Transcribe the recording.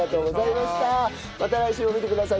また来週も見てください。